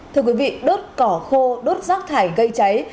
thưa quý vị đốt cỏ khô đốt rác thải gây cháy